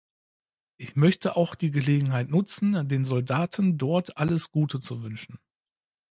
Ich möchte auch die Gelegenheit nutzen, den Soldaten dort alles Gute zu wünschen!